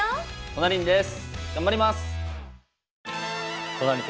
頑張ります！